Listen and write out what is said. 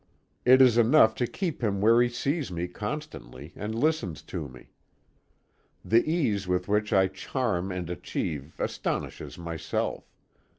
It is enough to keep him where he sees me constantly and listens to me. The ease with which I charm and achieve, astonishes myself.